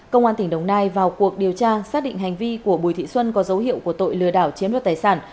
công an tỉnh đồng nai vào cuộc điều tra xác định hành vi của bùi thị xuân có dấu hiệu của tội lừa đảo chiếm đoạt tài sản